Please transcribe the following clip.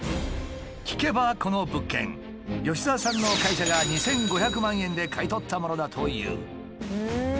聞けばこの物件吉澤さんの会社が２，５００万円で買い取ったものだという。